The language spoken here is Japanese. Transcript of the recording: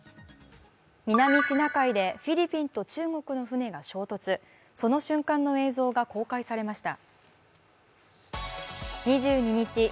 南シナ海でフィリピンと中国の船が衝突その瞬間の映像が公開されました。